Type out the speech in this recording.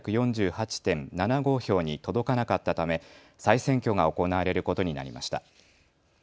票に届かなかったため再選挙が行われることになりました。